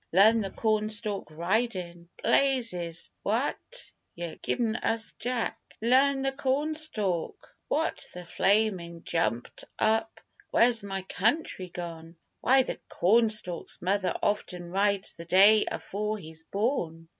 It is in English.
Learn the cornstalk ridin'! Blazes! w'at yer giv'n' us, Texas Jack? Learn the cornstalk what the flamin', jumptup! where's my country gone? Why, the cornstalk's mother often rides the day afore he's born!